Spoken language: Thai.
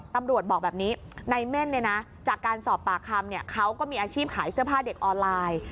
ตำรวจบอกแบบนี้ในเม่นเนี่ยนะจากการสอบปากคำเขาก็มีอาชีพขายเสื้อผ้าเด็กออนไลน์